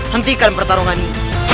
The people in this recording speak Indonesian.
hentikan pertarungan ini